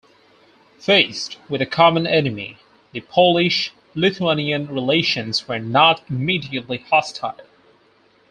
Faced with a common enemy, the Polish-Lithuanian relations were not immediately hostile.